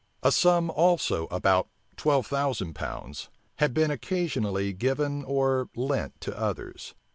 A sum also, about twelve thousand pounds, had been occasionally given or lent to others.